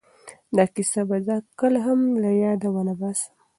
دا کیسه به زه کله هم له یاده ونه باسم.